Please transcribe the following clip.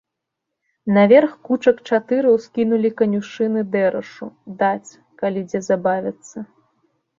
Наверх кучак чатыры ўскінулі канюшыны дэрашу, даць, калі дзе забавяцца.